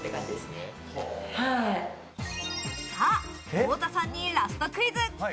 太田さんにラストクイズ。